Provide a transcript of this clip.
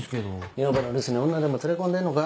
女房の留守に女でも連れ込んでんのか？